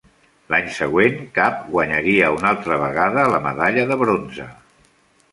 L'any següent, Kapp guanyaria una altra vegada la medalla de bronze.